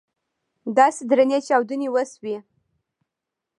داسې درنې چاودنې وسوې.